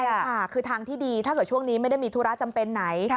ใช่ค่ะคือทางที่ดีถ้าเกิดช่วงนี้ไม่ได้มีธุระจำเป็นไหน